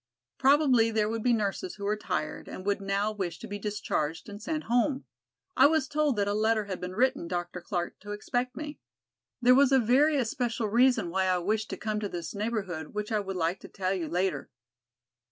Probably there would be nurses who were tired and would now wish to be discharged and sent home. I was told that a letter had been written Dr. Clark to expect me. There was a very especial reason why I wished to come to this neighborhood which I would like to tell you later.